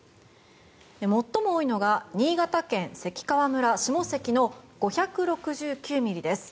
最も多いのが新潟県関川村下関の５６９ミリです。